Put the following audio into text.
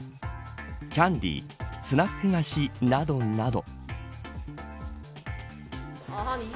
キャンディースナック菓子、などなど。